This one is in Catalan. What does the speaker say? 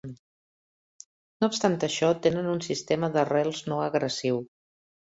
No obstant això, tenen un sistema d'arrels no agressiu.